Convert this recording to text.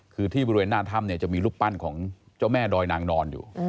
คือที่บริเวณหน้าถ้ำเนี่ยจะมีรูปปั้นของเจ้าแม่ดอยนางนอนอยู่